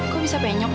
kok bisa penyok